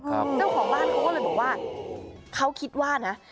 เจ้าของบ้านเขาก็เลยบอกว่าเขาคิดว่านะ